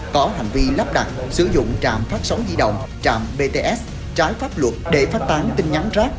có hành vi lắp đặt sử dụng trạm phát sóng di động trạm bts trái pháp luật để phát tán tin nhắn rác